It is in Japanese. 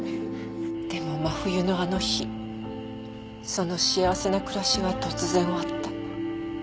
でも真冬のあの日その幸せな暮らしは突然終わった。